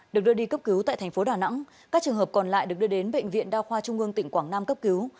được đưa đi cấp cứu tại thành phố đà nẵng các trường hợp còn lại được đưa đến bệnh viện đa khoa trung ương tỉnh quảng nam cấp cứu